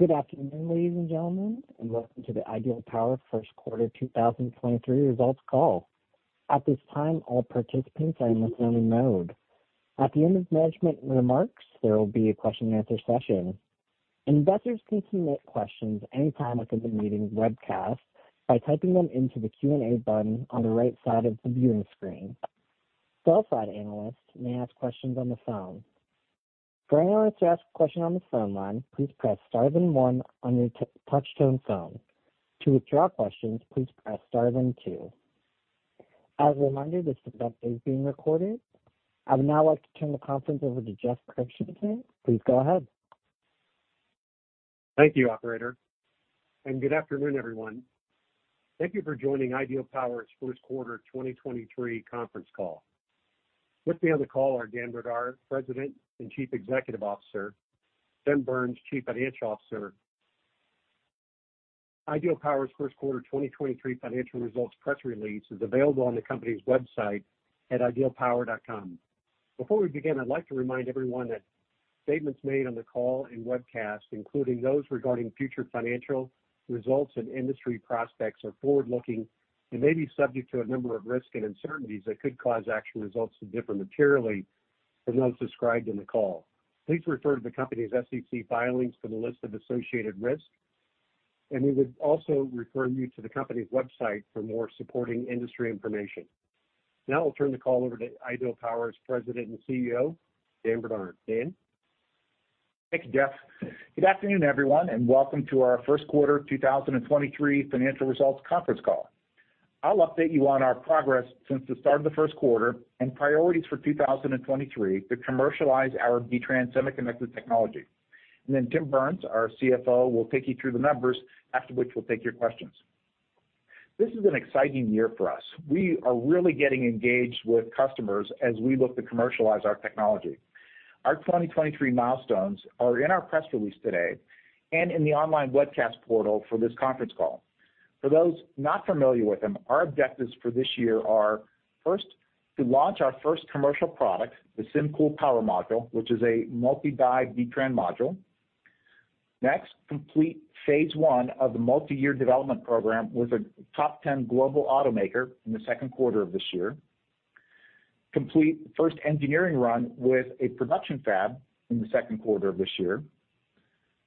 Good afternoon, ladies and gentlemen. Welcome to the Ideal Power First Quarter 2023 results call. At this time, all participants are in listen-only mode. At the end of management remarks, there will be a question-and-answer session. Investors can submit questions anytime within the meeting webcast by typing them into the Q&A button on the right side of the viewing screen. Sell side analysts may ask questions on the phone. For analysts to ask a question on the phone line, please press star then one on your touchtone phone. To withdraw questions, please press star then two. As a reminder, this event is being recorded. I would now like to turn the conference over to Jeff Christensen again. Please go ahead. Thank you, operator, and good afternoon, everyone. Thank you for joining Ideal Power's First Quarter 2023 Conference Call. With me on the call are Dan Brdar, President and Chief Executive Officer, Tim Burns, Chief Financial Officer. Ideal Power's first quarter 2023 financial results press release is available on the company's website at idealpower.com. Before we begin, I'd like to remind everyone that statements made on the call and webcast, including those regarding future financial results and industry prospects, are forward-looking and may be subject to a number of risks and uncertainties that could cause actual results to differ materially from those described in the call. Please refer to the company's SEC Filings for the list of associated risks, and we would also refer you to the company's website for more supporting industry information. Now I'll turn the call over to Ideal Power's President and CEO, Dan Brdar. Dan? Thank you, Jeff. Good afternoon, everyone, and welcome to our First Quarter 2023 Financial Results Conference Call. I'll update you on our progress since the start of the first quarter and priorities for 2023 to commercialize our B-TRAN semiconductor technology. Then Tim Burns, our CFO, will take you through the numbers, after which we'll take your questions. This is an exciting year for us. We are really getting engaged with customers as we look to commercialize our technology. Our 2023 milestones are in our press release today and in the online webcast portal for this conference call. For those not familiar with them, our objectives for this year are, first, to launch our first commercial product, the SymCool Power Module, which is a multi-die B-TRAN module. Next, complete phase I of the multi-year development program with a top 10 global automaker in the 2nd quarter of this year. Complete 1st engineering run with a production fab in the 2nd quarter of this year.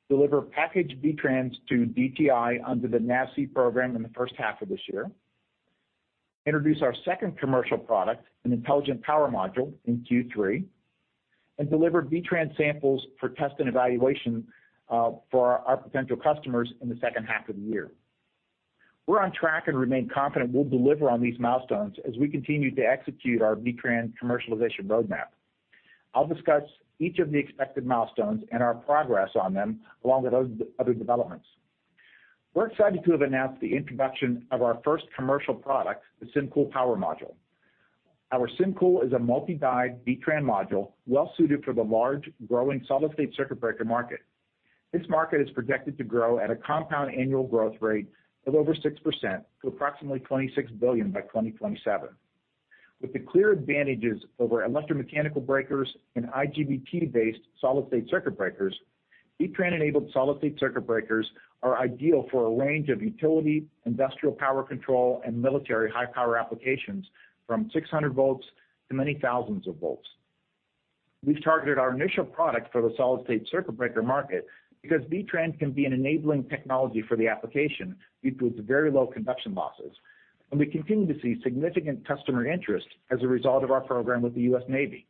Deliver packaged B-TRANs to DTI under the NAVSEA program in the 1st half of this year. Introduce our 2nd commercial product, an intelligent power module, in Q3, and deliver B-TRAN samples for test and evaluation for our potential customers in the 2nd half of the year. We're on track and remain confident we'll deliver on these milestones as we continue to execute our B-TRAN commercialization roadmap. I'll discuss each of the expected milestones and our progress on them, along with other developments. We're excited to have announced the introduction of our 1st commercial product, the SymCool Power Module. Our SymCool is a multi-die B-TRAN module well suited for the large, growing solid-state circuit breaker market. This market is projected to grow at a compound annual growth rate of over 6% to approximately $26 billion by 2027. With the clear advantages over electromechanical breakers and IGBT-based solid-state circuit breakers, B-TRAN enabled solid-state circuit breakers are ideal for a range of utility, industrial power control, and military high power applications from 600 volts to many thousands of volts. We've targeted our initial product for the solid-state circuit breaker market because B-TRAN can be an enabling technology for the application due to its very low conduction losses, and we continue to see significant customer interest as a result of our program with the U.S. Navy.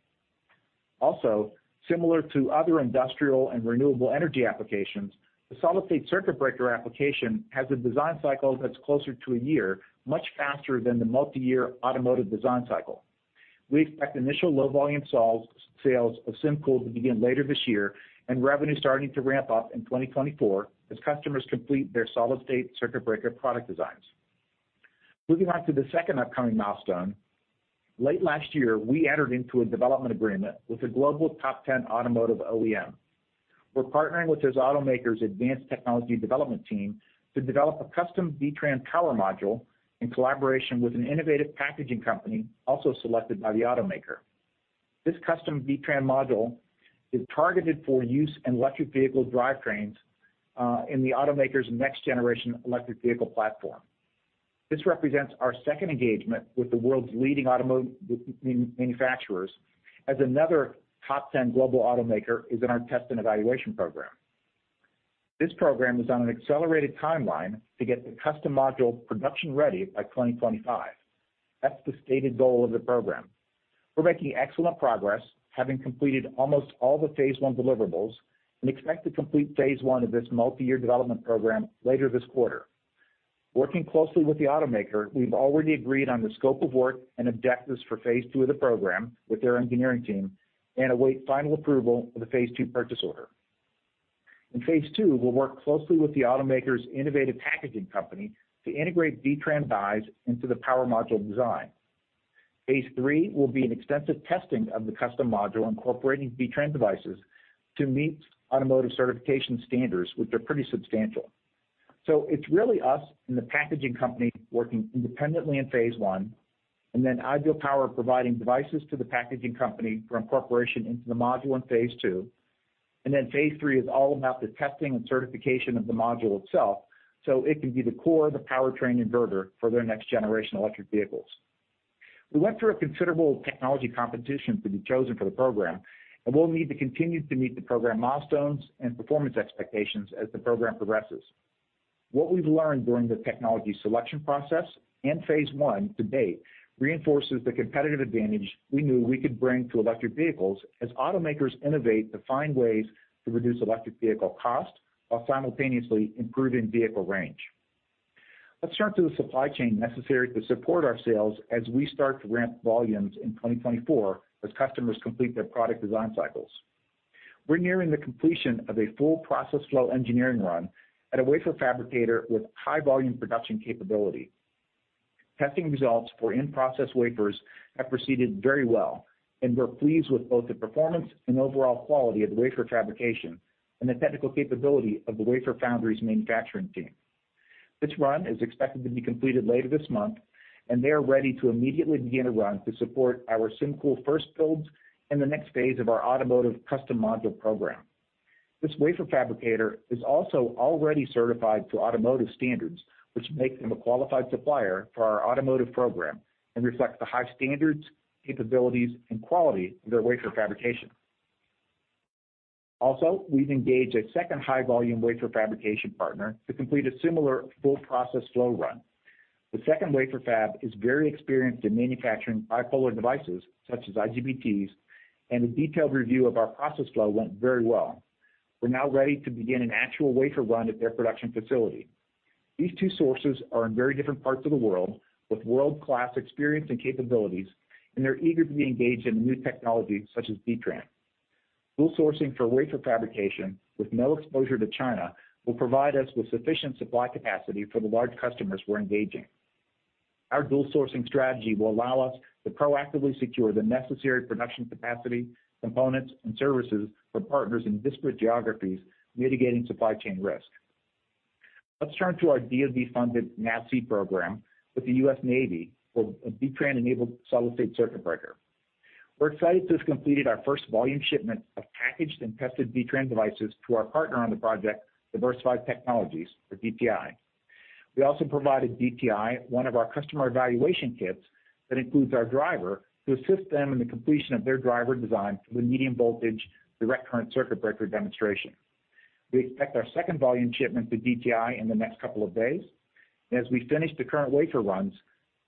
Similar to other industrial and renewable energy applications, the solid-state circuit breaker application has a design cycle that's closer to a year, much faster than the multi-year automotive design cycle. We expect initial low volume sales of SymCool to begin later this year and revenue starting to ramp up in 2024 as customers complete their solid-state circuit breaker product designs. Moving on to the second upcoming milestone. Late last year, we entered into a development agreement with a global top 10 automotive OEM. We're partnering with this automaker's advanced technology development team to develop a custom B-TRAN power module in collaboration with an innovative packaging company also selected by the automaker. This custom B-TRAN module is targeted for use in electric vehicle drivetrains in the automaker's next generation electric vehicle platform. This represents our second engagement with the world's leading automotive manufacturers as another top 10 Global Automaker is in our test and evaluation program. This program is on an accelerated timeline to get the custom module production ready by 2025. That's the stated goal of the program. We're making excellent progress, having completed almost all the phase I deliverables and expect to complete phase I of this multi-year development program later this quarter. Working closely with the automaker, we've already agreed on the scope of work and objectives for phase II of the program with their engineering team and await final approval of the phase II purchase order. In phase II we'll work closely with the automaker's innovative packaging company to integrate B-TRAN dies into the power module design. Phase III will be an extensive testing of the custom module incorporating B-TRAN devices to meet automotive certification standards, which are pretty substantial. It's really us and the packaging company working independently in phase I, then Ideal Power providing devices to the packaging company for incorporation into the module in phase II. Phase III is all about the testing and certification of the module itself, so it can be the core of the powertrain inverter for their next generation electric vehicles. We went through a considerable technology competition to be chosen for the program, and we'll need to continue to meet the program milestones and performance expectations as the program progresses. What we've learned during the technology selection process and phase I to date reinforces the competitive advantage we knew we could bring to electric vehicles as automakers innovate to find ways to reduce electric vehicle cost while simultaneously improving vehicle range. Let's turn to the supply chain necessary to support our sales as we start to ramp volumes in 2024 as customers complete their product design cycles. We're nearing the completion of a full process flow engineering run at a wafer fabricator with high volume production capability. Testing results for in-process wafers have proceeded very well, and we're pleased with both the performance and overall quality of the wafer fabrication and the technical capability of the wafer foundry's manufacturing team. This run is expected to be completed later this month. They are ready to immediately begin a run to support our SymCool first builds and the next phase of our automotive custom module program. This wafer fabricator is also already certified to automotive standards, which make them a qualified supplier for our automotive program and reflects the high standards, capabilities, and quality of their wafer fabrication. We've engaged a second high-volume wafer fabrication partner to complete a similar full process flow run. The second wafer fab is very experienced in manufacturing bipolar devices such as IGBTs. The detailed review of our process flow went very well. We're now ready to begin an actual wafer run at their production facility. These two sources are in very different parts of the world with world-class experience and capabilities, and they're eager to be engaged in a new technology such as B-TRAN. Dual sourcing for wafer fabrication with no exposure to China will provide us with sufficient supply capacity for the large customers we're engaging. Our dual sourcing strategy will allow us to proactively secure the necessary production capacity, components, and services from partners in disparate geographies, mitigating supply chain risk. Let's turn to our DOD-funded NAVSEA program with the U.S. Navy for a B-TRAN enabled solid-state circuit breaker. We're excited to have completed our first volume shipment of packaged and tested B-TRAN devices to our partner on the project, Diversified Technologies, Inc. or DTI. We also provided DTI one of our customer evaluation kits that includes our driver to assist them in the completion of their driver design for the medium voltage direct current circuit breaker demonstration. We expect our second volume shipment to DTI in the next couple of days. As we finish the current wafer runs,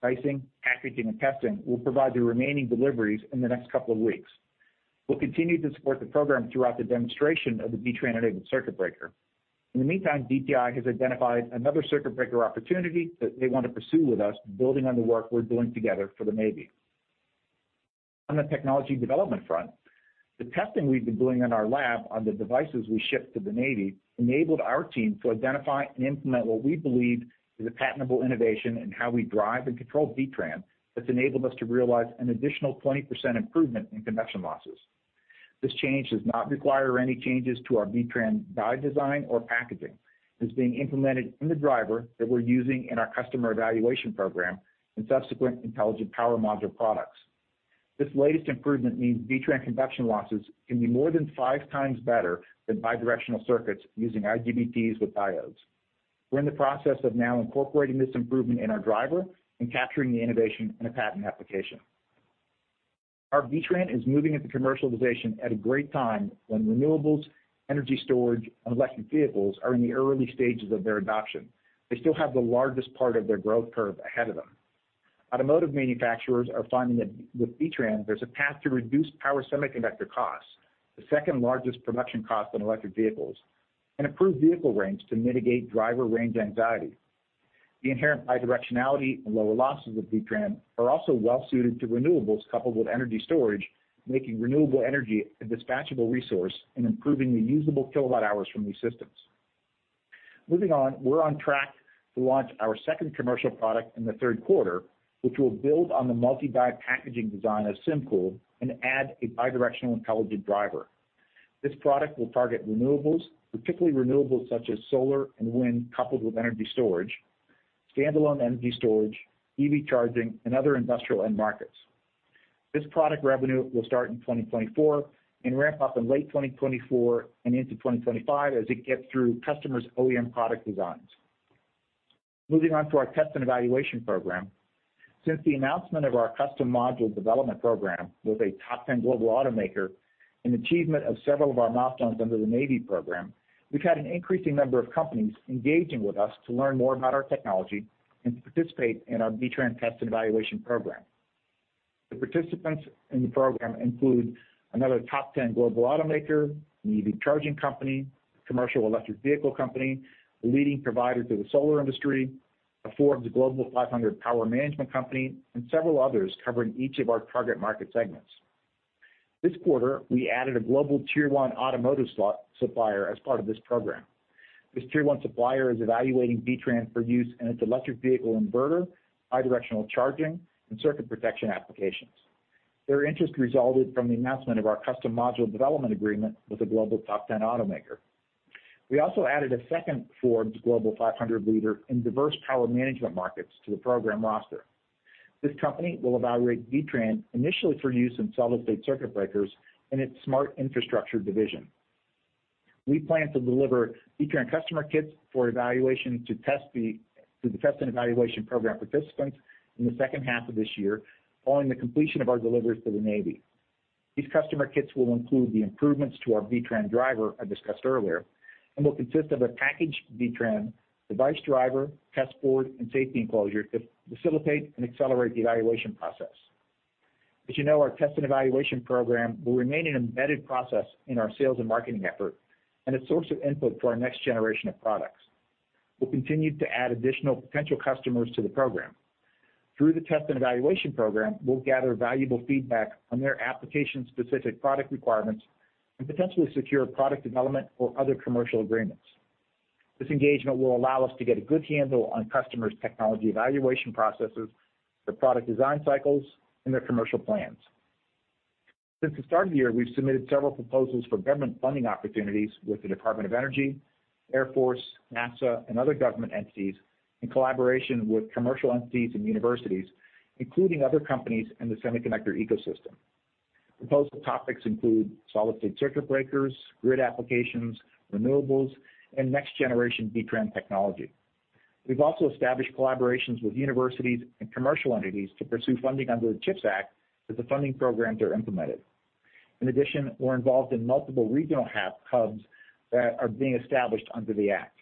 dicing, packaging, and testing will provide the remaining deliveries in the next couple of weeks. We'll continue to support the program throughout the demonstration of the B-TRAN enabled circuit breaker. In the meantime, DTI has identified another circuit breaker opportunity that they want to pursue with us, building on the work we're doing together for the Navy. On the technology development front, the testing we've been doing in our lab on the devices we shipped to the Navy enabled our team to identify and implement what we believe is a patentable innovation in how we drive and control B-TRAN that's enabled us to realize an additional 20% improvement in conduction losses. This change does not require any changes to our B-TRAN die design or packaging, and is being implemented in the driver that we're using in our customer evaluation program and subsequent intelligent power module products. This latest improvement means B-TRAN conduction losses can be more than 5x better than bidirectional circuits using IGBTs with diodes. We're in the process of now incorporating this improvement in our driver and capturing the innovation in a patent application. Our B-TRAN is moving into commercialization at a great time when renewables, energy storage, and electric vehicles are in the early stages of their adoption. They still have the largest part of their growth curve ahead of them. Automotive manufacturers are finding that with B-TRAN, there's a path to reduce power semiconductor costs, the second largest production cost in electric vehicles, and improve vehicle range to mitigate driver range anxiety. The inherent bidirectionality and lower losses of B-TRAN are also well suited to renewables coupled with energy storage, making renewable energy a dispatchable resource and improving the usable kilowatt hours from these systems. Moving on, we're on track to launch our second commercial product in the third quarter, which will build on the multi-die packaging design of SymCool and add a bidirectional intelligent driver. This product will target renewables, particularly renewables such as solar and wind, coupled with energy storage, standalone energy storage, EV charging, and other industrial end markets. This product revenue will start in 2024 and ramp up in late 2024 and into 2025 as it gets through customers' OEM product designs. Moving on to our test and evaluation program. Since the announcement of our custom module development program with a top 10 global automaker and achievement of several of our milestones under the Navy program, we've had an increasing number of companies engaging with us to learn more about our technology and to participate in our B-TRAN test and evaluation program. The participants in the program include another top 10 global automaker, an EV charging company, a commercial electric vehicle company, a leading provider to the solar industry, a Forbes Global 500 power management company, and several others covering each of our target market segments. This quarter, we added a global Tier 1 automotive supplier as part of this program. This Tier 1 supplier is evaluating B-TRAN for use in its electric vehicle inverter, bidirectional charging, and circuit protection applications. Their interest resulted from the announcement of our custom module development agreement with a global top 10 automaker. We also added a second Forbes Global 500 leader in diverse power management markets to the program roster. This company will evaluate B-TRAN initially for use in solid-state circuit breakers in its smart infrastructure division. We plan to deliver B-TRAN customer kits for evaluation to the test and evaluation program participants in the second half of this year, following the completion of our deliveries to the Navy. These customer kits will include the improvements to our B-TRAN driver I discussed earlier, and will consist of a packaged B-TRAN device driver, test board, and safety enclosure to facilitate and accelerate the evaluation process. As you know, our test and evaluation program will remain an embedded process in our sales and marketing effort and a source of input for our next generation of products. We'll continue to add additional potential customers to the program. Through the test and evaluation program, we'll gather valuable feedback on their application-specific product requirements and potentially secure product development or other commercial agreements. This engagement will allow us to get a good handle on customers' technology evaluation processes, their product design cycles, and their commercial plans. Since the start of the year, we've submitted several proposals for government funding opportunities with the U.S. Department of Energy, United States Air Force, NASA, and other government entities, in collaboration with commercial entities and universities, including other companies in the semiconductor ecosystem. Proposed topics include solid-state circuit breakers, grid applications, renewables, and next-generation B-TRAN technology. We've also established collaborations with universities and commercial entities to pursue funding under the CHIPS Act as the funding programs are implemented. In addition, we're involved in multiple regional hubs that are being established under the act.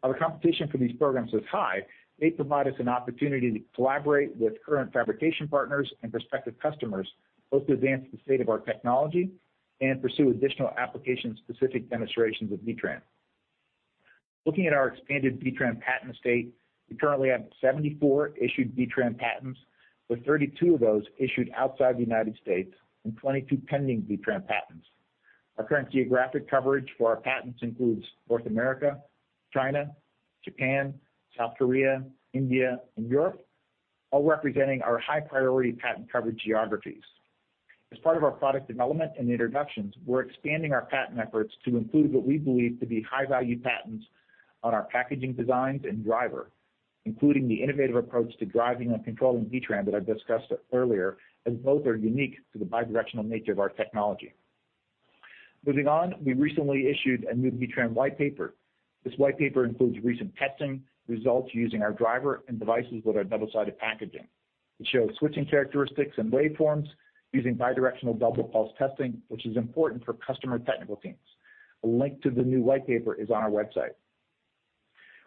While the competition for these programs is high, they provide us an opportunity to collaborate with current fabrication partners and prospective customers, both to advance the state of our technology and pursue additional application-specific demonstrations of B-TRAN. Looking at our expanded B-TRAN patent estate, we currently have 74 issued B-TRAN patents, with 32 of those issued outside the United States and 22 pending B-TRAN patents. Our current geographic coverage for our patents includes North America, China, Japan, South Korea, India, and Europe, all representing our high-priority patent coverage geographies. As part of our product development and introductions, we're expanding our patent efforts to include what we believe to be high-value patents on our packaging designs and driver, including the innovative approach to driving and controlling B-TRAN that I've discussed earlier, as both are unique to the bidirectional nature of our technology. Moving on, we recently issued a new B-TRAN white paper. This white paper includes recent testing results using our driver and devices with our double-sided packaging. It shows switching characteristics and waveforms using bidirectional double pulse testing, which is important for customer technical teams. A link to the new white paper is on our website.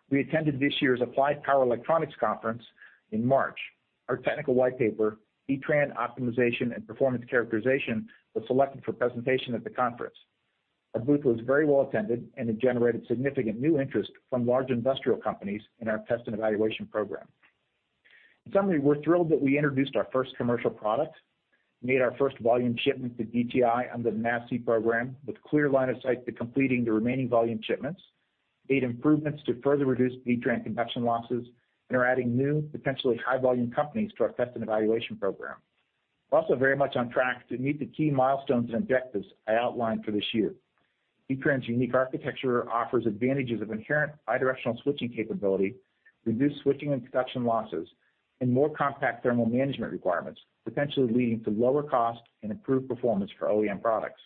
We attended this year's Applied Power Electronics Conference in March. Our technical white paper, B-TRAN Optimization and Performance Characterization, was selected for presentation at the conference. Our booth was very well attended and it generated significant new interest from large industrial companies in our test and evaluation program. In summary, we're thrilled that we introduced our first commercial product, made our first volume shipment to DTI under the NAVSEA program with clear line of sight to completing the remaining volume shipments, made improvements to further reduce B-TRAN conduction losses, and are adding new, potentially high-volume companies to our test and evaluation program. We're also very much on track to meet the key milestones and objectives I outlined for this year. B-TRAN's unique architecture offers advantages of inherent bidirectional switching capability, reduced switching and conduction losses, and more compact thermal management requirements, potentially leading to lower cost and improved performance for OEM products.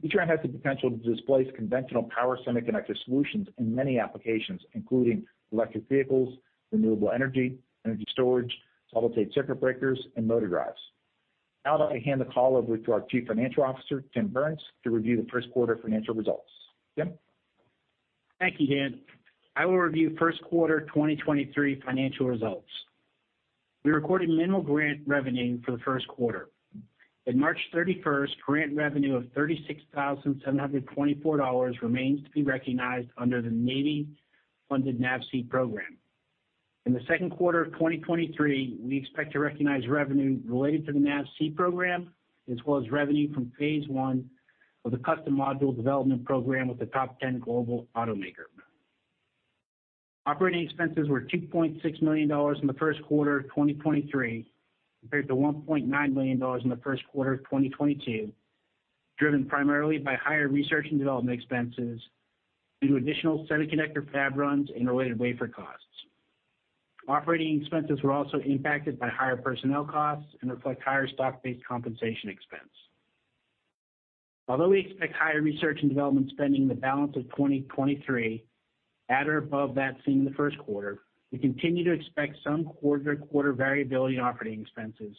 B-TRAN has the potential to displace conventional power semiconductor solutions in many applications, including electric vehicles, renewable energy storage, solid-state circuit breakers, and motor drives. Now I'd like to hand the call over to our Chief Financial Officer, Tim Burns, to review the first quarter financial results. Tim? Thank you, Dan. I will review first quarter 2023 financial results. We recorded minimal grant revenue for the first quarter. At March 31st, grant revenue of $36,724 remains to be recognized under the Navy-funded NAVSEA program. In the second quarter of 2023, we expect to recognize revenue related to the NAVSEA program as well as revenue from phase I of the custom module development program with the top 10 global automaker. Operating expenses were $2.6 million in the first quarter of 2023, compared to $1.9 million in the first quarter of 2022, driven primarily by higher research and development expenses due to additional semiconductor fab runs and related wafer costs. Operating Expenses were also impacted by higher personnel costs and reflect higher stock-based compensation expense. Although we expect higher research and development spending in the balance of 2023 at or above that seen in the 1st quarter, we continue to expect some quarter-to-quarter variability in Operating Expenses,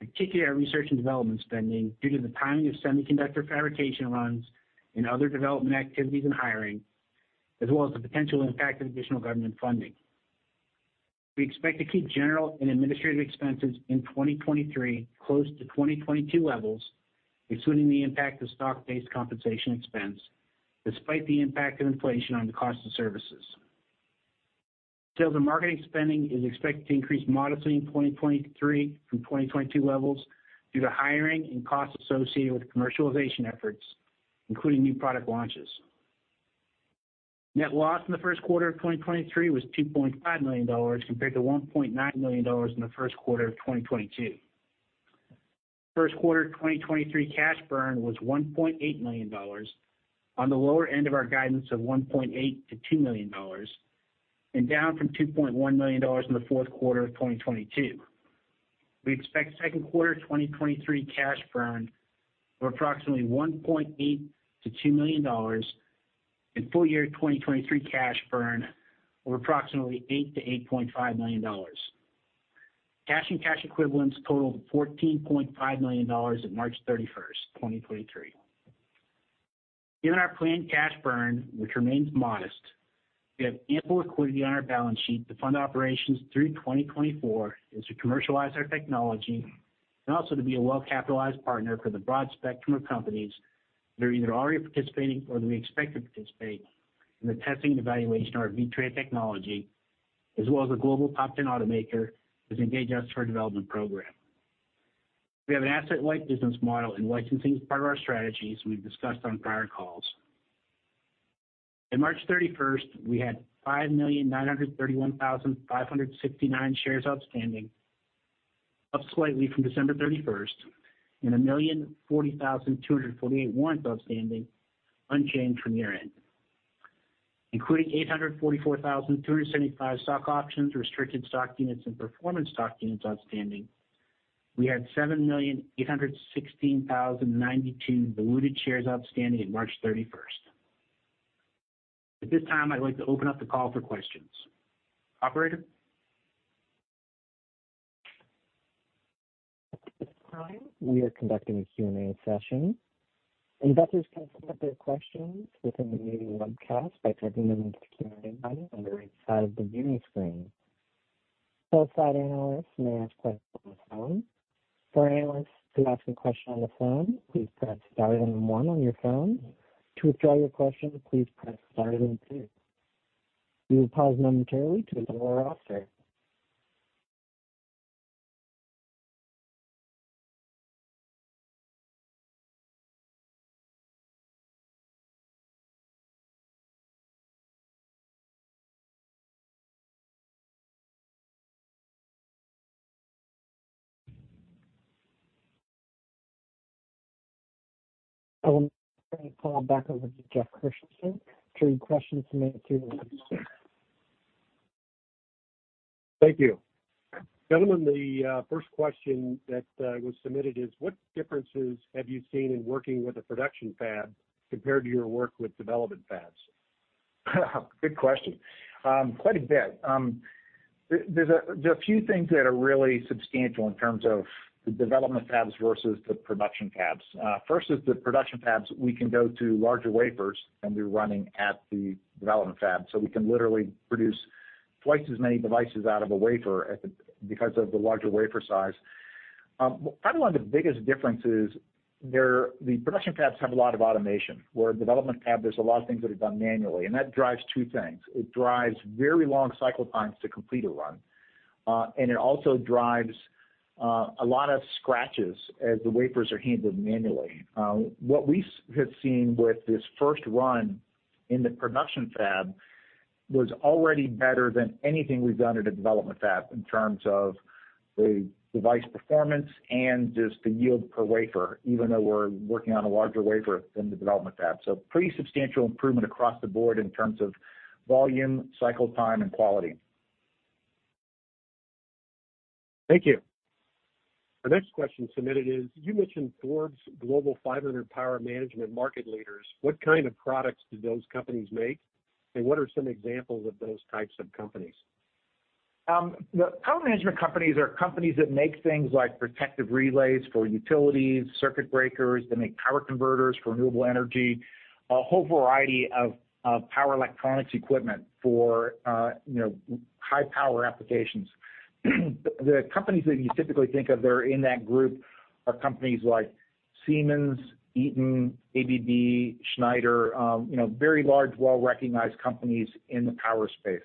particularly our research and development spending, due to the timing of semiconductor fabrication runs and other development activities and hiring, as well as the potential impact of additional government funding. We expect to keep general and administrative expenses in 2023 close to 2022 levels, excluding the impact of stock-based compensation expense, despite the impact of inflation on the cost of services. Sales and marketing spending is expected to increase modestly in 2023 from 2022 levels due to hiring and costs associated with commercialization efforts, including new product launches. Net loss in the first quarter of 2023 was $2.5 million compared to $1.9 million in the first quarter of 2022. First quarter of 2023 cash burn was $1.8 million on the lower end of our guidance of $1.8 million-$2 million and down from $2.1 million in the fourth quarter of 2022. We expect second quarter of 2023 cash burn of approximately $1.8 million-$2 million and full year 2023 cash burn of approximately $8 million-$8.5 million. Cash and cash equivalents totaled $14.5 million at March 31st, 2023. Given our planned cash burn, which remains modest, we have ample liquidity on our balance sheet to fund operations through 2024 as we commercialize our technology and also to be a well-capitalized partner for the broad spectrum of companies that are either already participating or that we expect to participate in the testing and evaluation of our B-TRAN technology, as well as a global top 10 automaker that's engaged us for a development program. We have an asset-light business model, and licensing is part of our strategy, as we've discussed on prior calls. In March 31st, we had 5,931,569 shares outstanding, up slightly from December 31st, and 1,040,248 warrants outstanding, unchanged from year-end. Including 844,275 stock options, restricted stock units, and performance stock units outstanding, we had 7,816,092 diluted shares outstanding at March 31st. At this time, I'd like to open up the call for questions. Operator? At this time, we are conducting a Q&A session. Investors can submit their questions within the meeting webcast by typing them into the Q&A pod on the right side of the meeting screen. Both side analysts may ask questions on the phone. For analysts to ask a question on the phone, please press star then one on your phone. To withdraw your question, please press star then two. We will pause momentarily to ensure all stay. I will turn the call back over to Jeff Christensen to read questions submitted to him. Thank you. Gentlemen, the first question that was submitted is what differences have you seen in working with a production fab compared to your work with development fabs? Good question. Quite a bit. There's a few things that are really substantial in terms of the development fabs versus the production fabs. First is the production fabs, we can go to larger wafers than we're running at the development fab, so we can literally produce twice as many devices out of a wafer at the because of the larger wafer size. Probably one of the biggest differences there, the production fabs have a lot of automation. Where a development fab, there's a lot of things that are done manually, and that drives two things. It drives very long cycle times to complete a run, and it also drives a lot of scratches as the wafers are handled manually. What we have seen with this first run in the production fab was already better than anything we've done at a development fab in terms of the device performance and just the yield per wafer, even though we're working on a larger wafer than the development fab. Pretty substantial improvement across the board in terms of volume, cycle time, and quality. Thank you. Our next question submitted is, you mentioned Forbes Global 500 power management market leaders. What kind of products do those companies make, and what are some examples of those types of companies? The power management companies are companies that make things like protective relays for utilities, circuit breakers. They make power converters for renewable energy, a whole variety of power electronics equipment for, you know, high power applications. The companies that you typically think of that are in that group are companies like Siemens, Eaton, ABB, Schneider, you know, very large, well-recognized companies in the power space.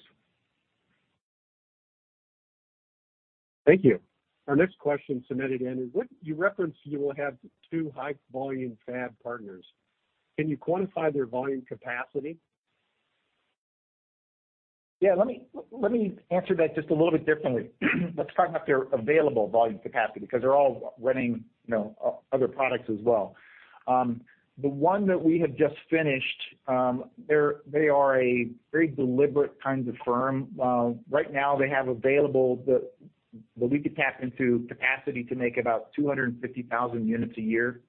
Thank you. Our next question submitted in is, you referenced you will have two high volume fab partners. Can you quantify their volume capacity? Let me answer that just a little bit differently. Let's talk about their available volume capacity because they're all running, you know, other products as well. The one that we have just finished, they are a very deliberate kinds of firm. Right now they have available that we could tap into capacity to make about 250,000 units a year.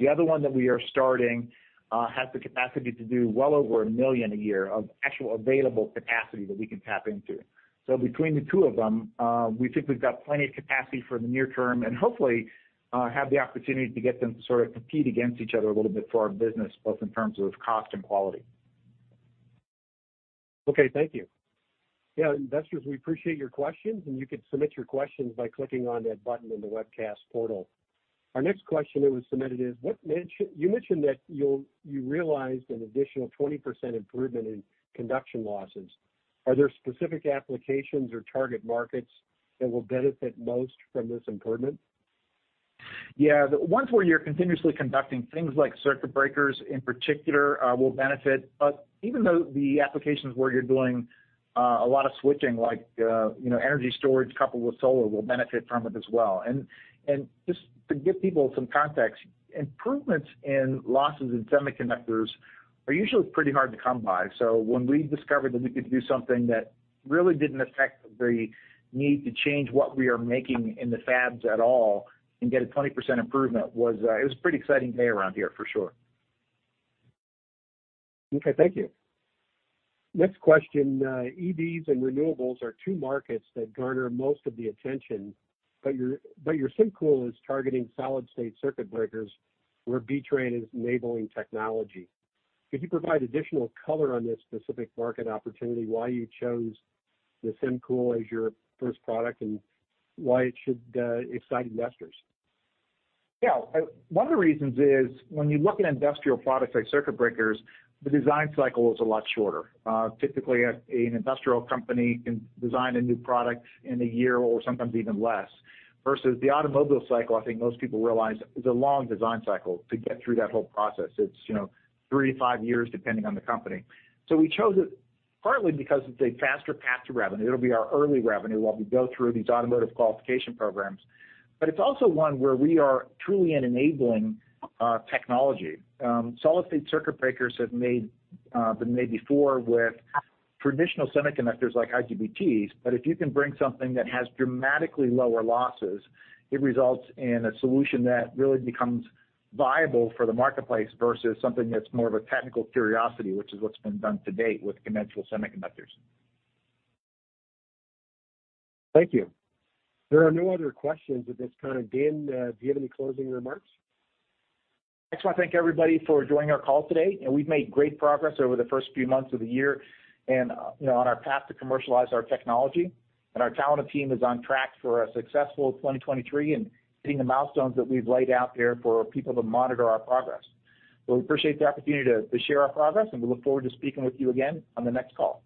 The other one that we are starting has the capacity to do well over 1 million a year of actual available capacity that we can tap into. Between the two of them, we think we've got plenty of capacity for the near term and hopefully, have the opportunity to get them to sort of compete against each other a little bit for our business, both in terms of cost and quality. Okay, thank you. Yeah, investors, we appreciate your questions. You can submit your questions by clicking on that button in the webcast portal. Our next question that was submitted is, you mentioned that you realized an additional 20% improvement in conduction losses. Are there specific applications or target markets that will benefit most from this improvement? Yeah, the ones where you're continuously conducting things like circuit breakers in particular, will benefit. Even though the applications where you're doing, a lot of switching, like, you know, energy storage coupled with solar will benefit from it as well. Just to give people some context, improvements in losses in semiconductors are usually pretty hard to come by. When we discovered that we could do something that really didn't affect the need to change what we are making in the fabs at all and get a 20% improvement was, it was a pretty exciting day around here for sure. Okay, thank you. Next question. EVs and renewables are two markets that garner most of the attention, but your SymCool is targeting solid-state circuit breakers where B-TRAN is enabling technology. Could you provide additional color on this specific market opportunity, why you chose the SymCool as your first product, and why it should excite investors? Yeah. One of the reasons is when you look at industrial products like circuit breakers, the design cycle is a lot shorter. Typically an industrial company can design a new product in a year or sometimes even less, versus the automobile cycle, I think most people realize is a long design cycle to get through that whole process. It's, you know, three to five years, depending on the company. We chose it partly because it's a faster path to revenue. It'll be our early revenue while we go through these automotive qualification programs. It's also one where we are truly an enabling technology. Solid-state circuit breakers have made, been made before with traditional semiconductors like IGBTs, but if you can bring something that has dramatically lower losses, it results in a solution that really becomes viable for the marketplace versus something that's more of a technical curiosity, which is what's been done to date with conventional semiconductors. Thank you. There are no other questions at this time. Dan, do you have any closing remarks? I just wanna thank everybody for joining our call today, and we've made great progress over the first few months of the year and, you know, on our path to commercialize our technology. Our talented team is on track for a successful 2023 and hitting the milestones that we've laid out there for people to monitor our progress. We appreciate the opportunity to share our progress, and we look forward to speaking with you again on the next call.